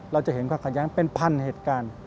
เราจะเห็นความขัดแย้งเป็นพันเหตุการณ์